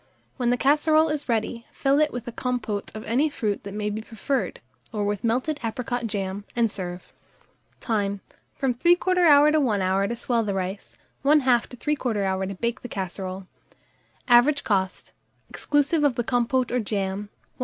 When the casserole is ready, fill it with a compôte of any fruit that may be preferred, or with melted apricot jam, and serve. Time. From 3/4 to 1 hour to swell the rice, 1/2 to 3/4 hour to bake the casserole. Average cost, exclusive of the compôte or jam, 1s.